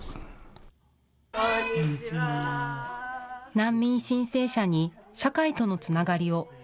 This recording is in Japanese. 難民申請者に社会とのつながりを。